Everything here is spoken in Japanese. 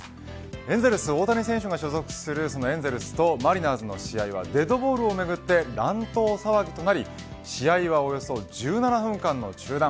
エンゼルス大谷選手が所属するエンゼルスとマリナーズの試合はデッドボールをめぐって乱闘騒ぎとなり試合はおよそ１７分間の中断。